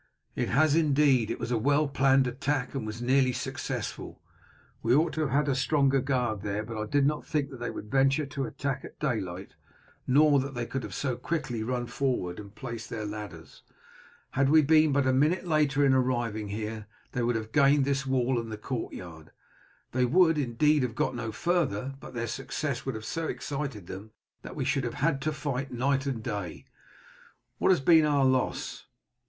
"It has indeed. It was a well planned attack, and was nearly successful. We ought to have had a stronger guard there; but I did not think that they would venture to attack at daylight, nor that they could have so quickly run forward and placed their ladders. Had we been but a minute later in arriving here they would have gained this wall and the courtyard. They would, indeed, have got no farther, but their success would have so excited them that we should have had to fight night and day. What has been our loss?"